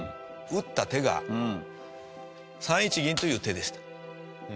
打った手が３一銀という手でした。